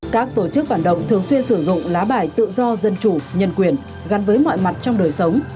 các tổ chức phản động thường xuyên sử dụng lá bài tự do dân chủ nhân quyền gắn với mọi mặt trong đời sống